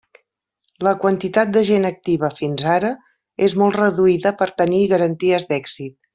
La quantitat de gent activa fins ara és molt reduïda per tenir garanties d'èxit.